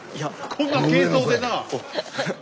こんな軽装でな。